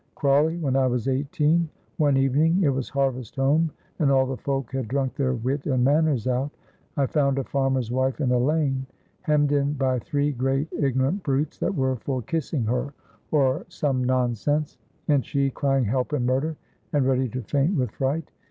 Crawley, when I was eighteen, one evening (it was harvest home, and all the folk had drunk their wit and manners out) I found a farmer's wife in a lane, hemmed in by three great ignorant brutes that were for kissing her, or some nonsense, and she crying help and murder and ready to faint with fright.